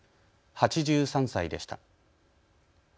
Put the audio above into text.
８３歳でした。